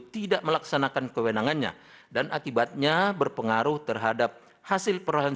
tidak melaksanakan kewenangannya dan akibatnya berpengaruh terhadap hasil perolehan